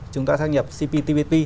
chúng ta gia nhập cptpp